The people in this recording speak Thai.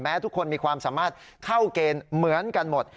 ทุกคนมีความสามารถเข้าเกณฑ์เหมือนกันหมด